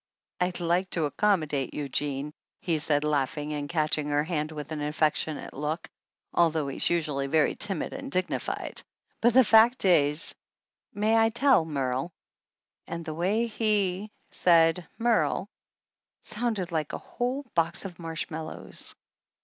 "I'd like to accommodate you, Jean," he said, laughing and catching her hand with an affectionate look, although he is usually very timid and dignified, "but the fact is may I tell, Merle?" And the way he said "Merle" sounded like a whole box of marshmallows.